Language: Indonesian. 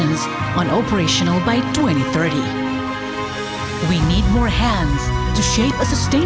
kita butuh tangan lagi untuk menciptakan ekonomi yang berkelanjutan